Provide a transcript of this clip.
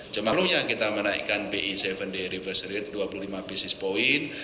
sebelumnya kita menaikkan bi tujuh day reverse rate dua puluh lima basis point